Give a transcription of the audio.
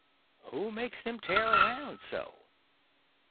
"Who makes them tear around so?"